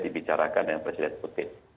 dibicarakan dengan presiden putih